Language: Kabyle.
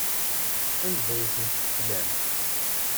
Anda ay ten-teflam?